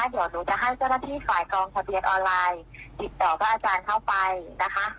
เดี๋ยวหนูจะให้เจ้าหน้าที่ฝ่ายกองทะเบียนออนไลน์ติดต่อพระอาจารย์เข้าไปนะคะ